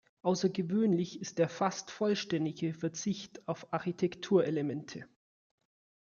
Außergewöhnlich ist der fast vollständige Verzicht auf Architekturelemente.